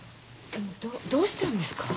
どうしたんですか？